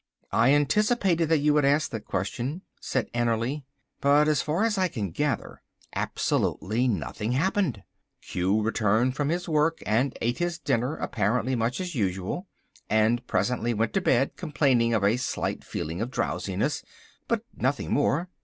"I anticipated that you would ask that question," said Annerly, "but as far as I can gather, absolutely nothing happened. Q returned from his work, and ate his dinner apparently much as usual, and presently went to bed complaining of a slight feeling of drowsiness, but nothing more.